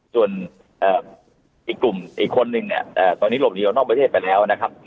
ส่วนอีกกลุ่มอีกคนนึงเนี่ยตอนนี้หลบหนีออกนอกประเทศไปแล้วนะครับ